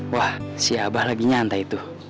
wah si abah lagi nyantai tuh